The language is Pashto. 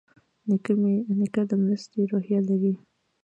نیکه د مرستې روحیه لري.